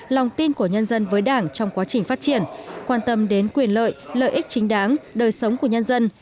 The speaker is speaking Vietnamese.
lòng tin của nhân dân với đảng trong quá trình phát triển quan tâm đến quyền lợi lợi ích chính đáng đời sống của nhân dân